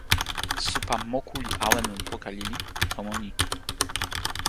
supa moku li awen lon poka lili pi tomo ni.